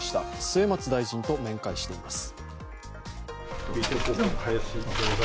末松大臣と面会しています。